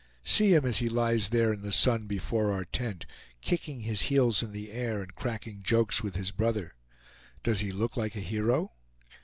See him as he lies there in the sun before our tent, kicking his heels in the air and cracking jokes with his brother. Does he look like a hero?